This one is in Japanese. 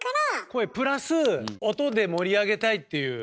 声プラス音で盛り上げたいっていう。